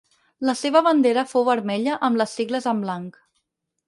La seva bandera fou vermella amb les sigles amb blanc.